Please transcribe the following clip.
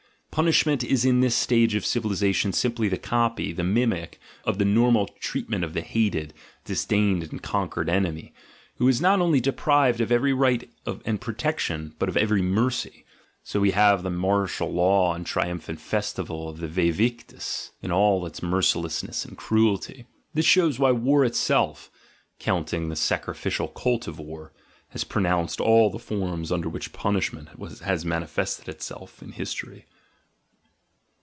Punishment is in. * German: "Verbrecher."— H. B. S. 60 THE GENEALOGY OF MORALS this stage of civilisation simply the copy, the mimic, of the normal treatment of the hated, disdained, and con quered enemy, who is not only deprived of every right and protection but of every mercy; so we have the mar tial law and triumphant festival of the vce victisf in all its mercilessness and cruelty. This shows why war itself (counting the sacrificial cult of war) has produced all the forms under which punishment has manifested itself in history.